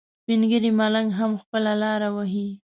سپین ږیری ملنګ هم خپله لاره وهي.